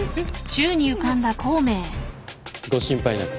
孔明？ご心配なく。